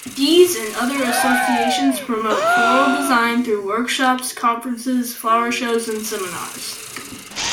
These and other associations promote floral design through workshops, conferences, flower shows, and seminars.